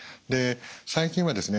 最近はですね